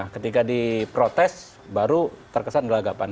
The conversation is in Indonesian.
ketika diprotes baru terkesan gelagapan